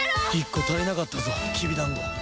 １個足りなかったぞきびだんご。